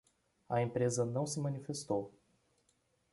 A empresa não se manifestou